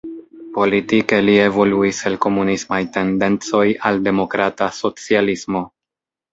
Politike li evoluis el komunismaj tendencoj al demokrata socialismo.